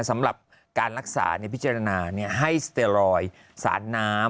สำหรับการรักษาพิจารณาให้สเตอรอยด์สารน้ำ